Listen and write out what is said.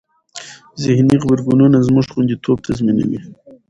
ذهني غبرګونونه زموږ خوندیتوب تضمینوي.